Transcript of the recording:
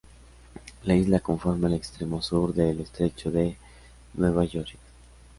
La isla conforma el extremo sur del estrecho de Nueva Georgia.